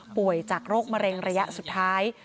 ป่วยจากโรคมะเร็งระยะสุดท้าย